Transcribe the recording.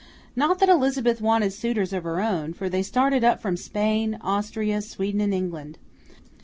Not that Elizabeth wanted suitors of her own, for they started up from Spain, Austria, Sweden, and England.